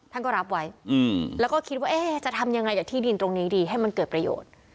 ท่านก็รับไว้แล้วก็คิดว่าเอ๊ะจะทำยังไงกับที่ดินตรงนี้ดีให้มันเกิดประโยชน์